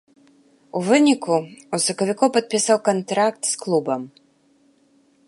У выніку ў сакавіку падпісаў кантракт з клубам.